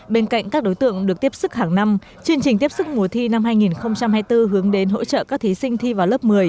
bên cạnh các đối tượng được tiếp sức hàng năm chương trình tiếp sức mùa thi năm hai nghìn hai mươi bốn hướng đến hỗ trợ các thí sinh thi vào lớp một mươi